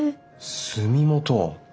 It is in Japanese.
住元？